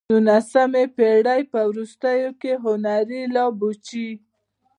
د نولسمې پېړۍ په وروستیو کې هنري لابوچي.